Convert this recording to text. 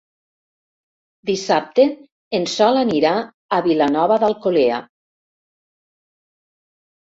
Dissabte en Sol anirà a Vilanova d'Alcolea.